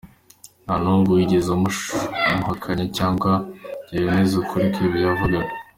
Ntamuntu wigeze amuhakanya cyangwa yemeze ukuri kw’ibyo yavugaga .